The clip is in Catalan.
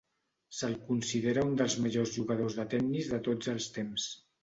S'el considera un dels majors jugadors de tennis de tots els temps.